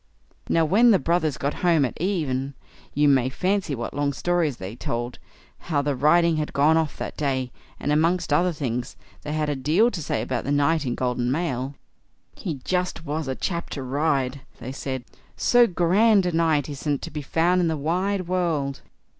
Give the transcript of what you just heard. Now, when the brothers got home at even, you may fancy what long stories they told, how the riding had gone off that day; and amongst other things, they had a deal to say about the knight in golden mail. "He just was a chap to ride!" they said; "so grand a knight isn't to be found in the wide world."